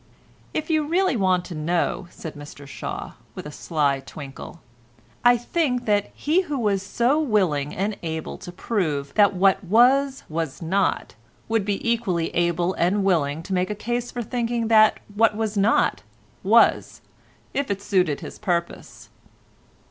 "If you really want to know," said Mr Shaw, with a sly twinkle, "I think that he who was so willing and able to prove that what was was not, would be equally able and willing to make a case for thinking that what was not was, if it suited his purpose."